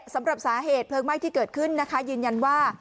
สำหรับสาเหตุเพลิงไหม้ที่เกิดขึ้นนะคะยืนยันว่า